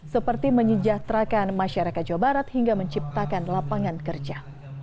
seperti menyejahterakan masyarakat jawa barat hingga menciptakan lapangan kerja